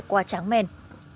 phải qua tráng men